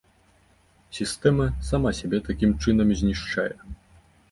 Сістэма сама сябе такім чынам знішчае.